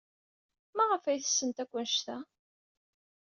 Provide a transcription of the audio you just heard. Maɣef ay ttessent akk anect-a?